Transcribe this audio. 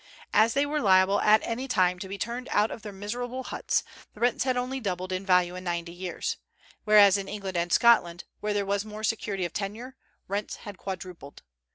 As they were liable at any time to be turned out of their miserable huts, the rents had only doubled in value in ninety years; whereas in England and Scotland, where there was more security of tenure, rents had quadrupled.